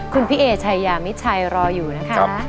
คุณพี่เอ๋ชัยยามิชัยรออยู่นะครับ